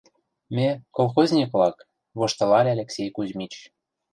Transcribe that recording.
«Ме — колхозник-влак, — воштылале Алексей Кузьмич.